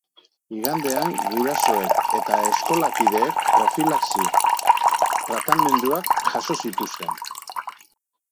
Igandean gurasoek eta eskolakideek profilaxi tratamenduak jaso zituzten.